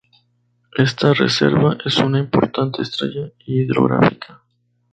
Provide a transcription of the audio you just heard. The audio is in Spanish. Esta Reserva, es una importante estrella hidrográfica.